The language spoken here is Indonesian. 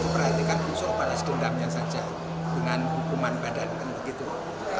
belanda mengawasi tindakan itu dengan nuwaan senama